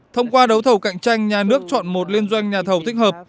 thông qua đấu thầu cạnh tranh nhà nước chọn một liên doanh nhà thầu tích hợp